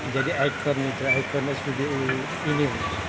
jadi air tawar di spbu ini